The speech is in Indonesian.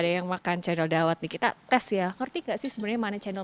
ada yang makan channel dawat di kita tes ya ngerti gak sih sebenarnya mana channel